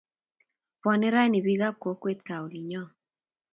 Bwone ranii bikaap kokwet gaa olinyo